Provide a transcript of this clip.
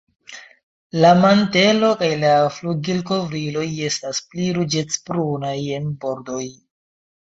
La mantelo kaj la flugilkovriloj estas pli ruĝecbrunaj en bordoj.